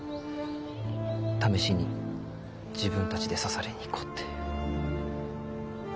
試しに自分たちで刺されに行こうって。